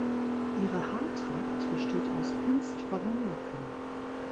Ihre Haartracht besteht aus kunstvollen Locken.